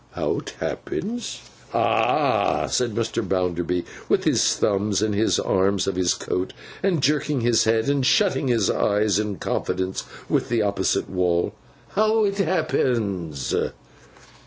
'How 't happens?' 'Ah!' said Mr. Bounderby, with his thumbs in the arms of his coat, and jerking his head and shutting his eyes in confidence with the opposite wall: 'how it happens.